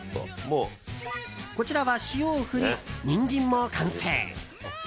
こちらは、塩を振りニンジンも完成。